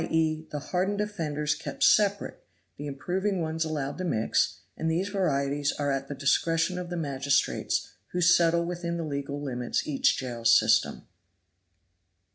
e., the hardened offenders kept separate, the improving ones allowed to mix; and these varieties are at the discretion of the magistrates, who settle within the legal limits each jail's system.